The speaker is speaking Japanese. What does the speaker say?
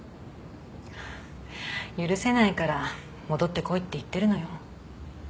許せないから戻ってこいって言ってるのよ。